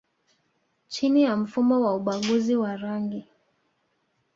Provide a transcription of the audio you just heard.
chini ya mfumo wa ubaguzi wa rangi